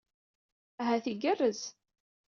Ahat igerrez.